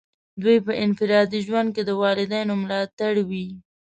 دوی په انفرادي ژوند کې د والدینو ملاتړ وي.